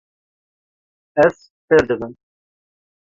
Ez fêr dibim.